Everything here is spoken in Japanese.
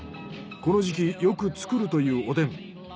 この時期よく作るというおでん。